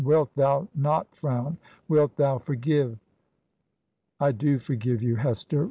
'Wilt thou not frown? Wilt thou forgive?' 'I do forgive you, Hester?'